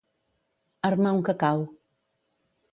Armar un cacau.